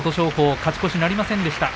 勝ち越しなりませんでした。